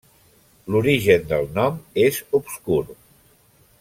L'origen del nom és obscur.